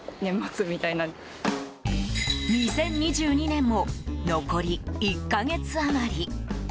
２０２２年も残り１か月余り。